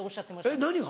えっ何が？